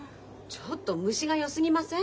ちょっと虫がよすぎません？